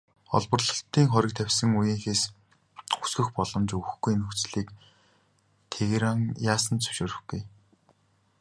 Олборлолтыг хориг тавьсан үеийнхээс өсгөх боломж өгөхгүй нөхцөлийг Тегеран яасан ч зөвшөөрөхгүй.